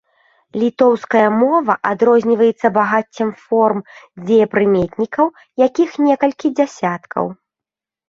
Літоўская мова адрозніваецца багаццем форм дзеепрыметнікаў, якіх некалькі дзясяткаў.